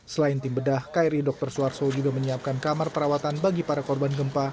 selain tim bedah kri dr suarso juga menyiapkan kamar perawatan bagi para korban gempa